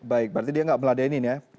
baik berarti dia tidak meladeni ya